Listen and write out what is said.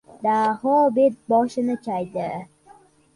Daho bet-boshini chaydi.